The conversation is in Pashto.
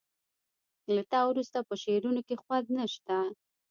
له تا وروسته په شعرونو کې خوند نه شته